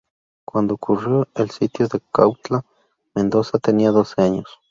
Cuando ocurrió el sitio de Cuautla, Mendoza tenía doce años.